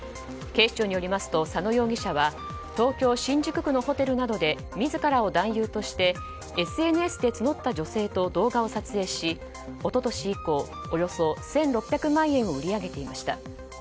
警視庁によりますと佐野容疑者は東京・新宿区のホテルなどで自らを男優としてＳＮＳで募った女性と動画を撮影し一昨年以降およそ１６００万円を売り上げていました。